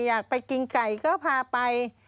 อยากไปกินไก่ก็พาไป